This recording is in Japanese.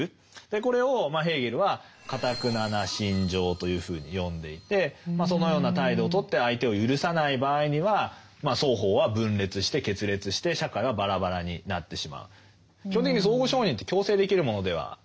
これをヘーゲルは「かたくなな心情」というふうに呼んでいてそのような態度をとって相手を赦さない場合には双方は分裂して決裂して社会はバラバラになってしまう。